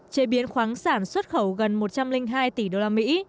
chế biến khoáng sản xuất khẩu gần một trăm linh hai tỷ đô la mỹ